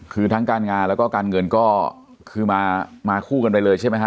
คือทั้งการงานแล้วก็การเงินก็คือมาคู่กันไปเลยใช่ไหมฮะ